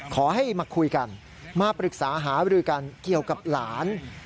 ขอให้มาคุยกันมาปรึกษาหาบริกันเกี่ยวกับหลาน